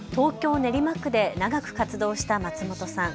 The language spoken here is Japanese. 練馬区で長く活動した松本さん。